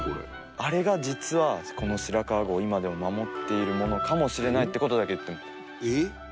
あれが実はこの白川郷を今でも守っているものかもしれないっていう事だけ。